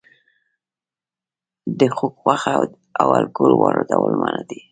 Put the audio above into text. د خوګ غوښه او الکول واردول منع دي؟